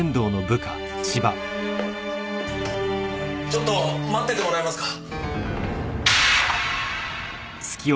ちょっと待っててもらえますか？